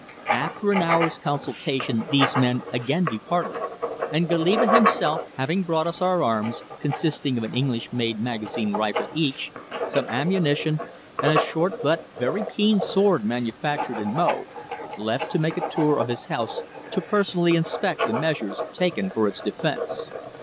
After an hour's consultation these men again departed, and Goliba himself having brought us our arms, consisting of an English made magazine rifle each, some ammunition, and a short but very keen sword manufactured in Mo, left to make a tour of his house to personally inspect the measures taken for its defence.